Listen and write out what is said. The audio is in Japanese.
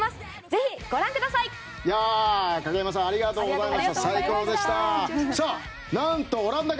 ぜひ、ご覧ください！